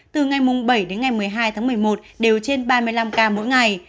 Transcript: từ ngày bảy đến ngày một mươi hai tháng một mươi một đều trên ba mươi năm ca mỗi ngày